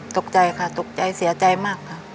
ตกใจค่ะตกใจเสียใจมากค่ะ